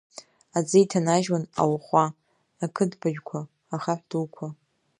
Аӡы иҭанажьуан ауахәа, ақыдбажәқәа, ахаҳә дуқәа.